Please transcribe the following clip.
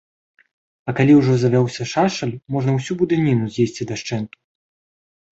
А калі ўжо завёўся шашаль, можа ўсю будыніну з'есці дашчэнту.